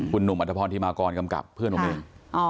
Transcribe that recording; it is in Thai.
คุณหนุ่มอัธพรธิมากรกำกับเพื่อนผมเอง